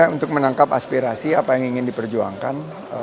untuk menangkap aspirasi apa yang ingin diperjuangkan